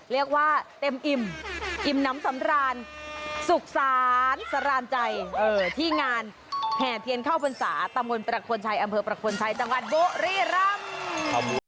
เรียกว่าเต็มอิ่มอิ่มน้ำสำราญสุขศาลสรานใจที่งานแห่เทียนเข้าพรรษาตำบลประควรชัยอำเภอประคลชัยจังหวัดบุรีรำ